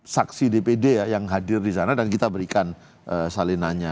saksi dpd ya yang hadir di sana dan kita berikan salinannya